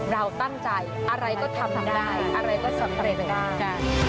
เราตั้งใจอะไรก็ทำได้อะไรก็สำเร็จไปได้